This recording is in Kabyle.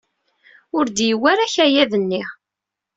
Ur d-yewwi ara akayad-nni.